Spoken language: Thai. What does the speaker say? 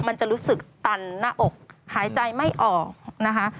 มันจะรู้สึกตันหน้าอกหายใจไม่ออกนะคะ